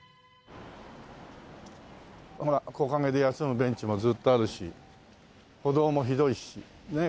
ほら木陰で休むベンチもずっとあるし歩道も広いしねえ